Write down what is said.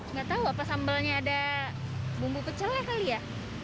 nggak tahu apa sambalnya ada bumbu pecelnya kali ya